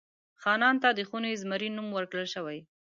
خانان ته د خوني زمري نوم ورکړل شوی.